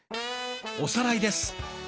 おさらいです。